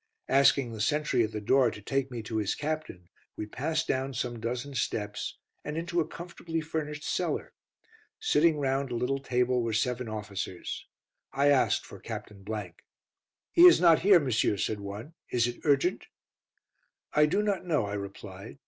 Asking the sentry at the door to take me to his Captain, we passed down some dozen steps and into a comfortably furnished cellar. Sitting round a little table were seven officers. I asked for Captain . "He is not here, monsieur," said one. "Is it urgent?" "I do not know," I replied.